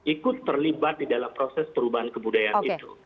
ikut terlibat di dalam proses perubahan kebudayaan itu